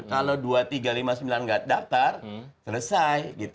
kalau dua ribu tiga ratus lima puluh sembilan nggak daftar selesai